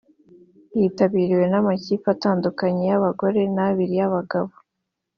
yitabiriwe n’amakipe atandatu y’abagabo n’abiri y’abagore